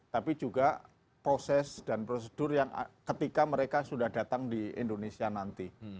tapi juga proses dan prosedur yang ketika mereka sudah datang di indonesia nanti